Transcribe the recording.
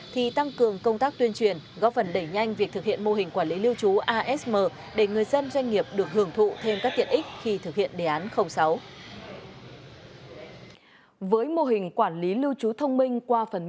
thì tăng cường công tác tuyên truyền góp phần đẩy nhanh việc thực hiện mô hình quản lý lưu trú asm